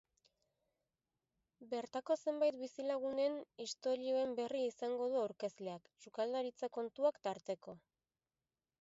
Bertako zenbait bizilagunen istorioen berri izango du aurkezleak, sukaldaritza kontuak tarteko.